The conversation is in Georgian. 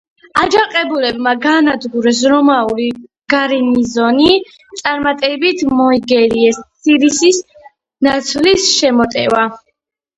აჯანყებულებმა გაანადგურეს რომაული გარნიზონი; წარმატებით მოიგერიეს სირიის ნაცვლის შემოტევა.